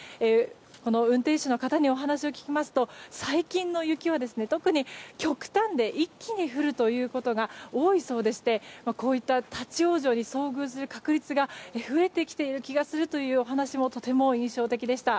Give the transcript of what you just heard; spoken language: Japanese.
運転手の方にお話を聞きますと最近の雪は特に極端で一気に降ることが多いそうでしてこういった立ち往生に遭遇する確率が増えてきている気がするというお話も、とても印象的でした。